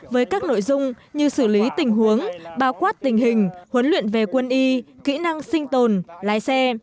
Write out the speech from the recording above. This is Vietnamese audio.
với các nội dung như xử lý tình huống báo quát tình hình huấn luyện về quân y kỹ năng sinh tồn lái xe